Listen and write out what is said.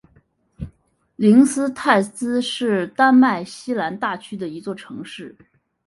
灵斯泰兹是丹麦西兰大区的一座城市。